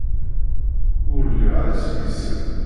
Ur lliɣ ara seg-sen.